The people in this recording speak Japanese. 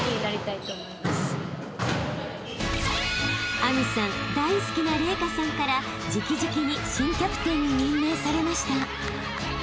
［明未さん大好きな麗華さんから直々に新キャプテンに任命されました］